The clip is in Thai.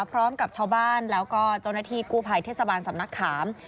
พร้อมกับชาวบ้านแล้วก็เจ้าหน้าที่กู้ภัยเทศบาลสำนักขาม